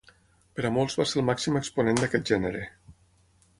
Per a molts va ser el màxim exponent d'aquest gènere.